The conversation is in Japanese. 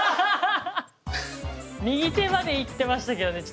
右手までいってましたけどね